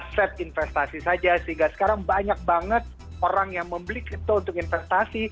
set investasi saja sehingga sekarang banyak banget orang yang membeli kripto untuk investasi